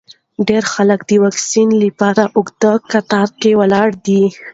ډېر خلک د واکسین لپاره اوږده کتار کې ولاړ دي.